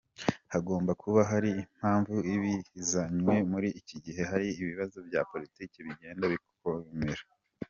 Hagomba kuba hari impamvu ibi bizanywe muriki gihe hari ibibazo bya politike bigenda bikomera.